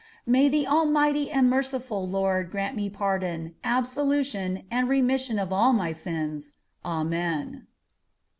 May the Almighty and merciful Lord grant me pardon, absolution, and remission of all my sins. Amen.